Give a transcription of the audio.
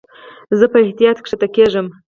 زه په احتیاط کښته کېږم.